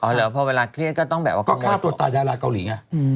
เหรอพอเวลาเครียดก็ต้องแบบว่าก็ฆ่าตัวตายดาราเกาหลีไง